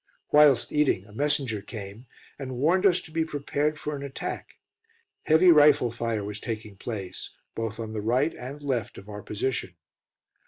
Whilst eating, a messenger came and warned us to be prepared for an attack. Heavy rifle fire was taking place, both on the right and left of our position.